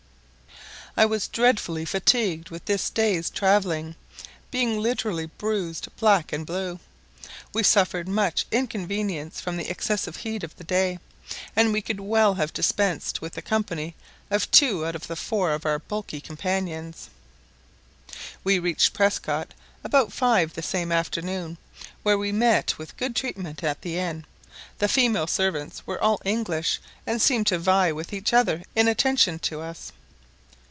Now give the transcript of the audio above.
I was dreadfully fatigued with this day's travelling, being literally bruised black and blue. We suffered much inconvenience from the excessive heat of the day, and could well have dispensed with the company of two out of the four of our bulky companions. We reached Prescott about five the same afternoon, where we met with good treatment at the inn; the female servants were all English, and seemed to vie with each other in attention to us.